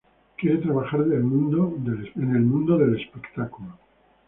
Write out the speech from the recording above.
Quiere trabajar del mundo del espectáculo.